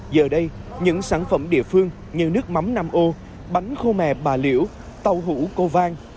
giờ đây những sản phẩm địa phương như nước mắm nam ô bánh khô me bà liễu tàu hủ cô vang